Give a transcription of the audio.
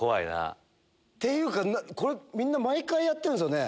っていうかこれみんな毎回やってんですよね。